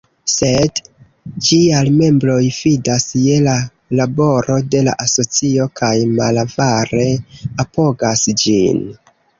Sed ĝiaj membroj fidas je la laboro de la asocio kaj malavare apogas ĝin.